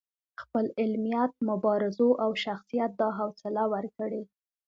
خپل علمیت، مبارزو او شخصیت دا حوصله ورکړې.